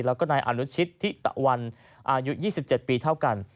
แล้วก็นายอนุชิตทิตะวันอายุ๒๗ปีเท่ากัน